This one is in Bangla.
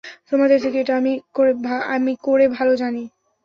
তোমাদের থেকে এটা আমি করে ভালো জানি।